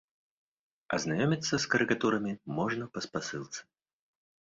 Азнаёміцца з карыкатурамі можна па спасылцы.